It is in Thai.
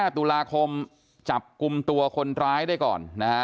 ตุลาคมจับกลุ่มตัวคนร้ายได้ก่อนนะฮะ